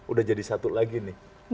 udah jadi satu lagi nih